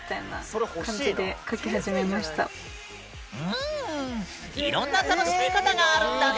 うんいろんな楽しみ方があるんだね。